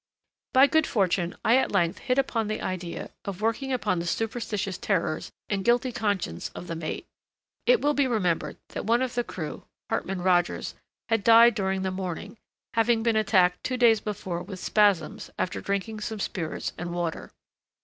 By good fortune I at length hit upon the idea of working upon the superstitious terrors and guilty conscience of the mate. It will be remembered that one of the crew, Hartman Rogers, had died during the morning, having been attacked two days before with spasms after drinking some spirits and water.